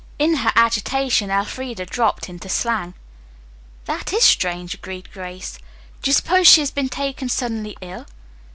In her agitation Elfreda dropped into slang. "That is strange," agreed Grace. "Do you suppose she has been taken suddenly ill?"